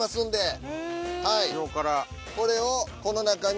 これをこの中に。